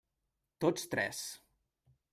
Tots tres.